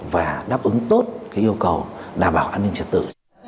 và đáp ứng tốt yêu cầu đảm bảo an ninh trật tự